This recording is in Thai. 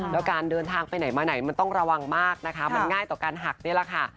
แล้วการเดินทางไปไหนมาไหนมันต้องระวังมากนะคะมันง่ายต่อการหักนี่แหละค่ะ